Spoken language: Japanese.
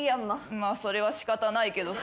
まあそれは仕方ないけどさ。